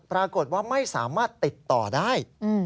ปรากฏว่าไม่สามารถติดต่อได้